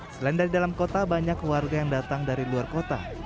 selain dari dalam kota banyak warga yang datang dari luar kota